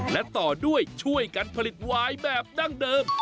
และต่อด้วยช่วยกันผลิตวายแบบดั้งเดิม